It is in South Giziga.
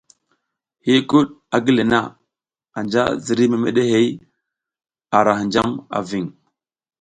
Hiykud a gi le na anja ziriy memeɗe hey a ra hinjam a ving.